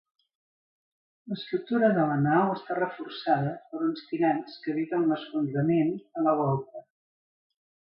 L'estructura de la nau està reforçada per uns tirants que eviten l'esfondrament de la volta.